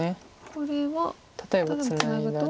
これは例えばツナぐと。